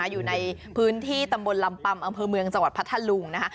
อยู่ในพื้นที่ตำบลลำปัมอำเภอเมืองจังหวัดพัทธลุงนะคะ